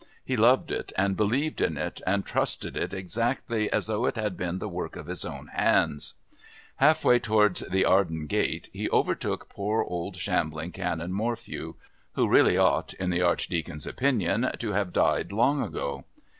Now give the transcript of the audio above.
He loved it and believed in it and trusted it exactly as though it had been the work of his own hands. Halfway towards the Arden Gate he overtook poor old shambling Canon Morphew, who really ought, in the Archdeacon's opinion, to have died long ago.